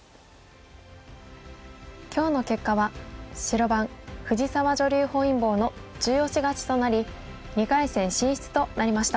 今日の結果は白番藤沢女流本因坊の中押し勝ちとなり２回戦進出となりました。